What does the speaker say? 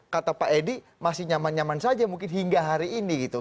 kata pak edi masih nyaman nyaman saja mungkin hingga hari ini gitu